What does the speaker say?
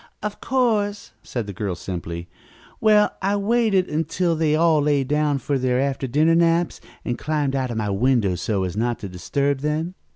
"Of course," said the girl simply. "Well, I waited until they all lay down for their after dinner naps, and climbed out of my window so as not to disturb them.